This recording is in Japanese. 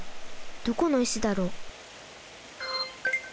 どこの石だろう？